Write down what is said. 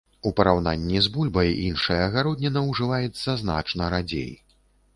У параўнанні з бульбай іншая гародніна ўжываецца значна радзей.